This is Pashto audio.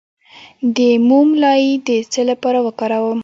د موم لایی د څه لپاره وکاروم؟